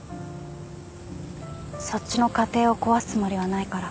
そっちの家庭を壊すつもりはないから。